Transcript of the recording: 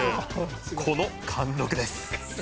この貫禄です。